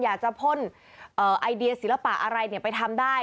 อยากจะพ่นไอเดียศิลปะอะไรไปทำได้